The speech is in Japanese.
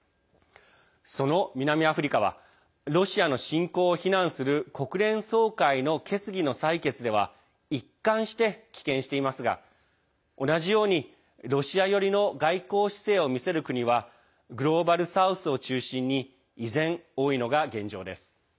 その南アフリカはロシアの侵攻を非難する国連総会の決議の採決では一貫して棄権していますが同じように、ロシア寄りの外交姿勢を見せる国はグローバル・サウスを中心に依然、多いのが現状です。